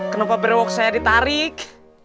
kenapa berwok saya ditarik